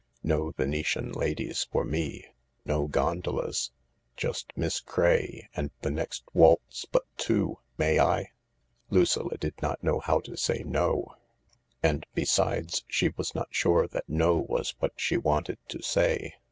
No Venetian ladies for me, no gondolas — just Miss Craye and the next waltz but two — may I ?" Lucilla did not know how to say ' No '—and besides, she THE LARK was not sure that ' No ' was what she wanted to say.